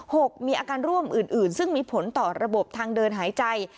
กมีอาการร่วมอื่นอื่นซึ่งมีผลต่อระบบทางเดินหายใจ